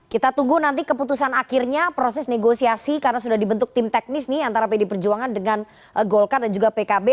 kita tunggu nanti keputusan akhirnya proses negosiasi karena sudah dibentuk tim teknis nih antara pd perjuangan dengan golkar dan juga pkb